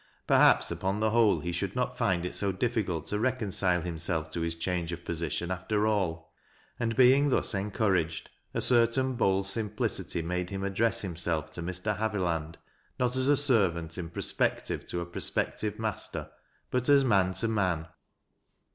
Perhaps upon the whole he should not find it so diflicult to recon cile himself to his change of position after all. And being thus encouraged, a certain bold simplicity made him address himself to Mi\ Haviland not as a servant ii prospective to a prospective master, but as man to man.